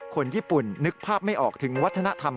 คนญี่ปุ่นนึกภาพไม่ออกถึงวัฒนธรรม